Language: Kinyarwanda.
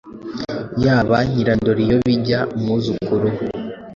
Yaba Nyirandoriyobijya, umwuzukuruza we,